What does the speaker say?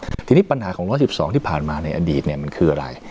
ใจความทีนี้ปัญหาของร้อยสิบสองที่ผ่านมาในอดีตเนี่ยมันคืออะไร